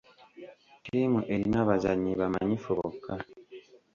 Ttiimu erina bazannyi bamanyifu bokka.